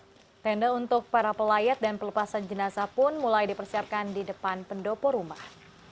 tenda untuk para pelayat dan pelepasan jenazah pun mulai dipersiapkan di depan pendopo rumah